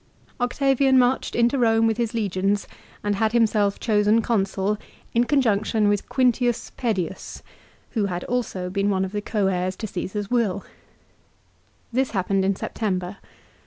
Octavian marched into Rome with his legions and had himself chosen Consul in con junction with Quintius Pedius, who had also been one of the coheirs to Csesar's will. This happened in September.